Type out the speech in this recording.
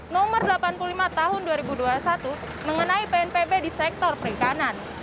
nomor delapan puluh lima tahun dua ribu dua puluh satu mengenai pnpb di sektor perikanan